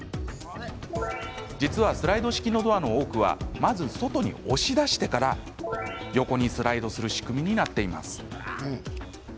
実はスライド式ドアの多くはまず外に押し出してから横にスライドする仕組みになっています。